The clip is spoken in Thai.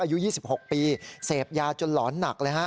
อายุ๒๖ปีเสพยาจนหลอนหนักเลยฮะ